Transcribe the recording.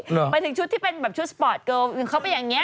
หมายถึงชุดที่เป็นแบบชุดสปอร์ตเกิลอื่นเข้าไปอย่างนี้